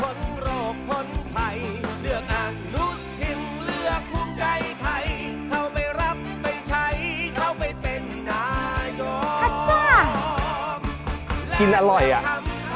วันนี้จะได้ดีกว่าอย่างกันนะครับ